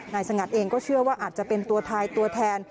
สงัดเองก็เชื่อว่าอาจจะเป็นตัวทายตัวแทน